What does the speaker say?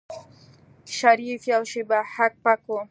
شريف يوه شېبه هک پک و.